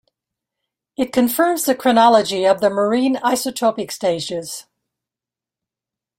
It confirms the chronology of the marine isotopic stages.